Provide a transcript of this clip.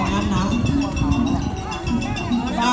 อาจารย์สะเทือนครูดีศิลปันติน